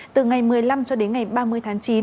từ ngày một mươi năm cho đến ngày ba mươi tháng chín